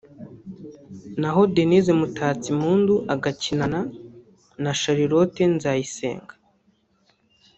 naho Denyse Mutatsimpundu agakinana na Charlotte Nzayisenga